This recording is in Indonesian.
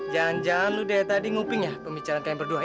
jangan jangan lo dari tadi nguping ya pembicaraan kalian berdua ya